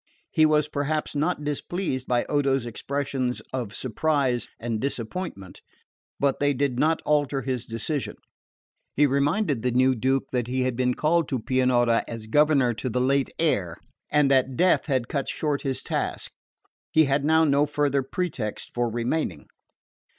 He was perhaps not displeased by Odo's expressions of surprise and disappointment; but they did not alter his decision. He reminded the new Duke that he had been called to Pianura as governor to the late heir, and that, death having cut short his task, he had now no farther pretext for remaining.